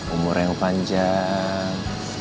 umur yang panjang